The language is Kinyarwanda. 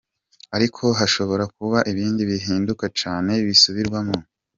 Ariko hashobora kuba ibindi bihinduka canke bisubirwamwo.